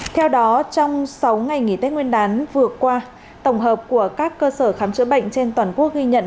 theo đó trong sáu ngày nghỉ tết nguyên đán vừa qua tổng hợp của các cơ sở khám chữa bệnh trên toàn quốc ghi nhận